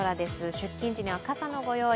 出勤時には傘の御用意